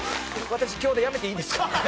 私今日でやめていいですか？